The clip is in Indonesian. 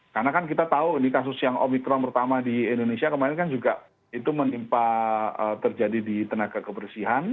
karena kan kita tahu ini kasus yang obikron pertama di indonesia kemarin kan juga itu menimpa terjadi di tenaga kebersihan